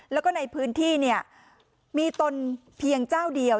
แล้วก็ในพื้นที่เนี่ยมีตนเพียงเจ้าเดียว